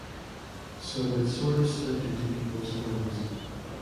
So it sort of slipped into people’s homes.